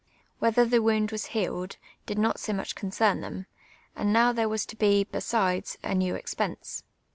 Whether the wound was healed, did not so much concern them : and now there was to be, besides, a new ex pense.